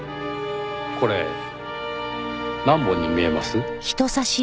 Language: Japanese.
これ何本に見えます？